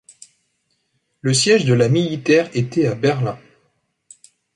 Le siège de la militaire était à Berlin.